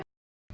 trên trường hợp